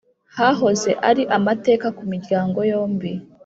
hahoze ari amateka kumiryango yombi